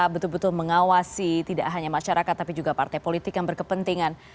betul betul mengawasi tidak hanya masyarakat tapi juga partai politik yang berkepentingan